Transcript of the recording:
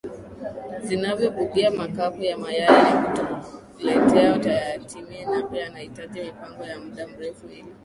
zinavyobugia makapu ya mayai na kutuletea tuyaatamie Nape anahitaji mipango ya muda mrefu ili